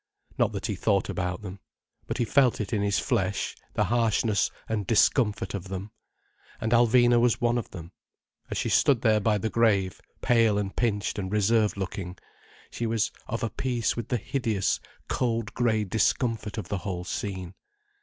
Not that he thought about them. But he felt it in his flesh, the harshness and discomfort of them. And Alvina was one of them. As she stood there by the grave, pale and pinched and reserved looking, she was of a piece with the hideous cold grey discomfort of the whole scene.